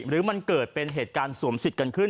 หรือมันเกิดเป็นเหตุการณ์สวมสิทธิ์กันขึ้น